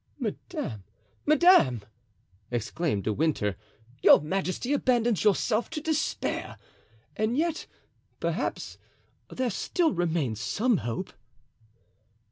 "Madame, madame," exclaimed De Winter, "your majesty abandons yourself to despair; and yet, perhaps, there still remains some hope."